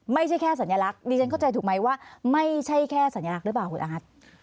ไม่ใช่แค่สัญลักษณ์ดิฉันเข้าใจถูกไหมว่าไม่ใช่แค่สัญลักษณ์หรือเปล่าคุณอาร์ต